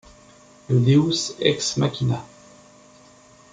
Le deus ex machina.